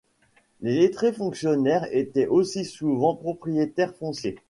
Les lettrés fonctionnaires étaient aussi souvent propriétaires fonciers.